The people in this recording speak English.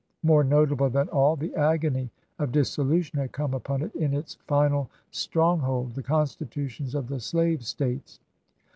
More notable than all, the agony of dissolution had come upon it in its final stronghold — the constitutions of the slave States.